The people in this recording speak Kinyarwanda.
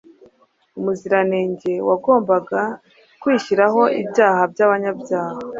Umuziranenge wagombaga kwishyiraho ibyaha by’abanyabyaha.